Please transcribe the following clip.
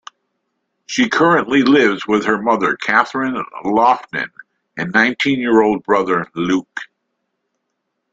She currently lives with her mother Kathryn Loughnan and nineteen-year-old brother Luke.